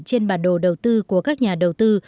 trên bản đồ đầu tư của các nhà đầu tư